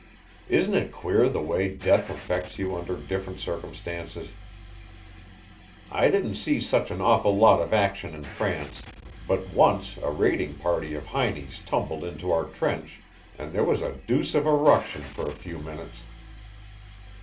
"Isn't it queer the way death affects you under different circumstances? I didn't see such an awful lot of action in France, but once a raiding party of Heinies tumbled into our trench, and there was a deuce of a ruction for a few minutes.